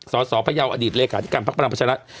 ศศพระยาวอดีตเลขาที่การพลังประชารัฐ